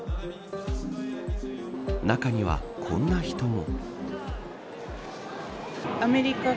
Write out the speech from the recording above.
中にはこんな人も。